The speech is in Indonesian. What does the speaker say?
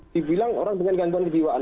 dibilang orang dengan gangguan kejiwaan